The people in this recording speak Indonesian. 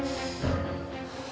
sampai jumpa lagi